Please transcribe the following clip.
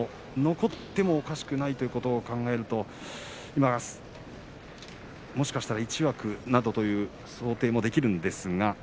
残ってもおかしくないということを考えますともしかしたら１枠という想定もできます。